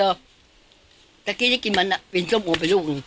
เมื่อกี้กินมันน่ะปิ้งส้มโหลส์ไปลูกหนึ่ง